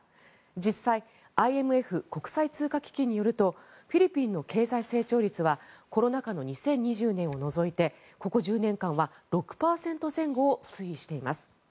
実際、ＩＭＦ・国際通貨基金によるとフィリピンの経済成長率はコロナ禍の２０２０年を除いてここ１０年間は６％前後を推移しています。